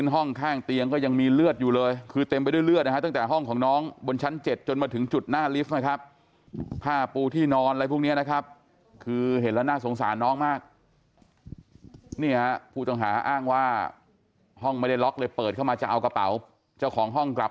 ห้องไม่ได้ล็อคเลยเปิดเข้ามาจะเอากระเป๋าเจ้าของห้องกลับ